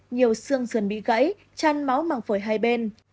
nhiều xương dườn bị gãy chăn máu mang phổi hai bên